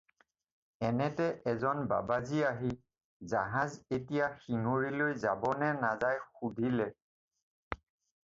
এনেতে এজন বাবাজী আহি জাহাজ এতিয়া শিঙৰীলৈ যাব নে নাযায় সুধিলে।